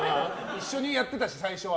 一緒にやってたし、最初は。